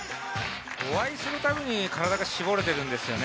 お会いするたびに体が絞れてるんですよね